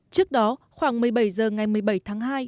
trước đó khoảng một mươi bảy h ngày một mươi bảy tháng hai